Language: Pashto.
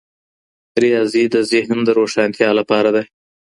ریاضي د ذهن د روښانتیا لپاره ده.